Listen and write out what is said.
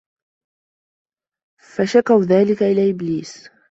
فَشَكَوْا ذَلِكَ إلَى إبْلِيسَ